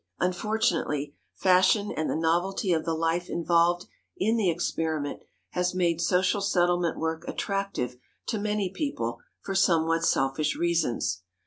Unfortunately, fashion and the novelty of the life involved in the experiment has made social settlement work attractive to many people for somewhat selfish reasons.